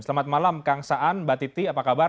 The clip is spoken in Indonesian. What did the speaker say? selamat malam kang saan mbak titi apa kabar